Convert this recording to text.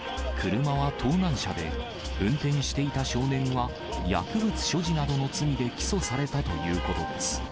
車は盗難車で、運転していた少年は、薬物所持などの罪で起訴されたということです。